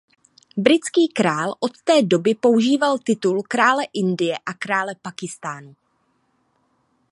Britský král od té doby používal titul krále Indie a krále Pákistánu.